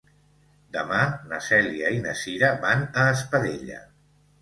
Demà na Cèlia i na Cira van a Espadella.